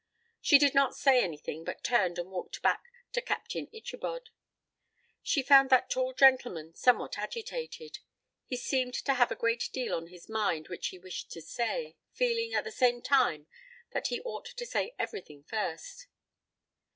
She did not say anything, but turned and walked back to Captain Ichabod. She found that tall gentleman somewhat agitated; he seemed to have a great deal on his mind which he wished to say, feeling, at the same time, that he ought to say everything first.